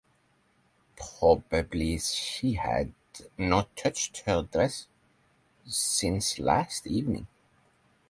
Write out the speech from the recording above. Probably she had not touched her dress since last evening.